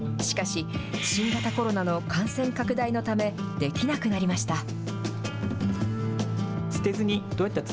しかし、新型コロナの感染拡大のため、できなくなりました。